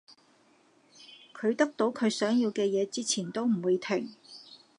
佢得到佢想要嘅嘢之前都唔會停